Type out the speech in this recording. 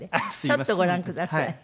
ちょっとご覧ください。